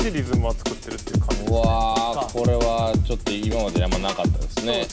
これはちょっと今まであんまなかったですね。